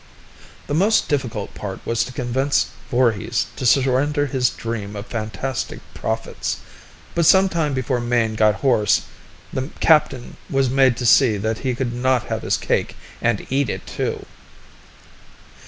The most difficult part was to convince Voorhis to surrender his dream of fantastic profits; but sometime before Mayne got hoarse, the captain was made to see that he could not have his cake and eat it, too.